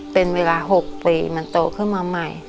เป็นเวลา๖ปีมันโตขึ้นมาใหม่